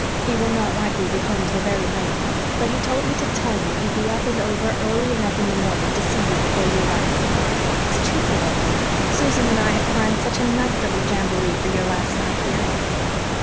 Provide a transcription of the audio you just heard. He will not likely be home till very late. But he told me to tell you he'd be up and over early enough in the morning to see you before you left. It's too provoking. Susan and I had planned such a nice little jamboree for your last night here."